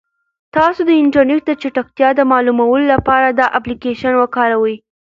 تاسو د انټرنیټ د چټکتیا د معلومولو لپاره دا اپلیکیشن وکاروئ.